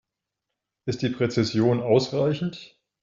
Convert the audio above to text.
Ist die Präzision ausreichend?